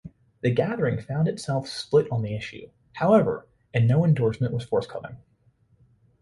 The gathering found itself split on the issue, however, and no endorsement was forthcoming.